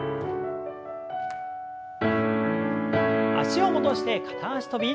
脚を戻して片脚跳び。